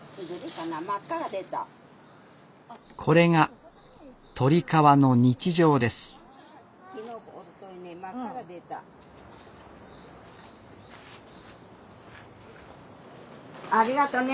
これが鳥川の日常ですありがとね